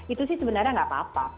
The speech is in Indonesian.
itu sih sebenarnya nggak apa apa